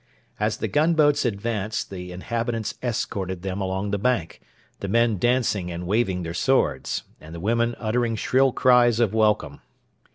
As the gunboats advanced the inhabitants escorted them along the bank, the men dancing and waving their swords, and the women uttering shrill cries of welcome.